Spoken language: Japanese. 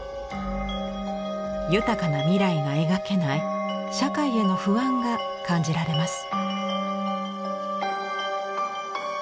豊かな未来が描けない社会への不安が感じられます。